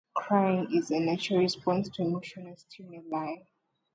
Crying is a natural response to emotional stimuli.